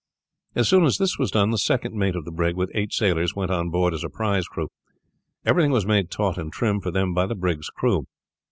As soon as this was done, the second mate of the brig with eight sailors went on board as a prize crew. Everything was made taut and trim for them by the brig's crew.